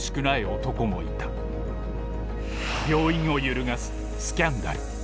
病院を揺るがすスキャンダル。